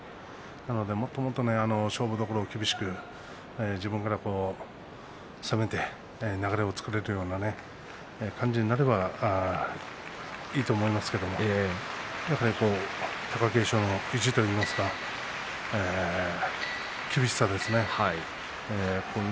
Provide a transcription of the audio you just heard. なので、もっともっと勝負どころ厳しく自分から攻めて流れを作れるような感じになればいいと思いますけど貴景勝の意地といいますか厳しさですね。